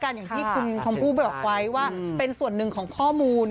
อย่างที่คุณชมพู่ไปบอกไว้ว่าเป็นส่วนหนึ่งของข้อมูล